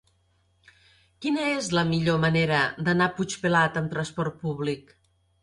Quina és la millor manera d'anar a Puigpelat amb trasport públic?